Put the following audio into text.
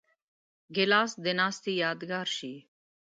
ګیلاس د ناستې یادګار شي.